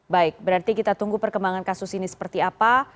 baik berarti kita tunggu perkembangan kasus ini seperti apa